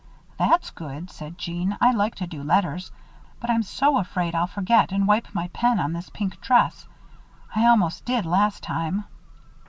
"That's good," said Jeanne. "I like to do letters, but I'm so afraid I'll forget and wipe my pen on this pink dress. I almost did last time."